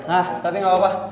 ah tapi gak apa apa